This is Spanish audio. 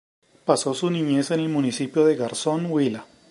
Pasó su niñez en el Municipio de Garzón Huila.